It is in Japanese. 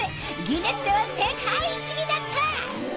ギネスでは世界一になった！